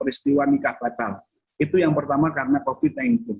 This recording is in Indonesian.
peristiwa nikah batal itu yang pertama karena covid sembilan belas